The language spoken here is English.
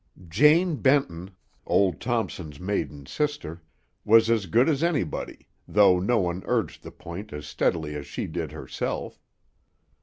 Jane Benton, old Thompson's maiden sister, was as good as anybody, though no one urged the point as steadily as she did herself.